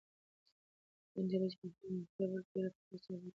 هغه نجلۍ په خپلو منطقي خبرو کې ډېره پخه ثابته شوه.